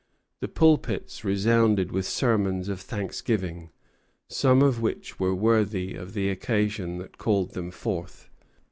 The pulpits resounded with sermons of thanksgiving, some of which were worthy of the occasion that called them forth.